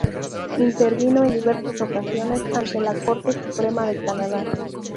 Intervino en diversas ocasiones ante la Corte Suprema de Canadá.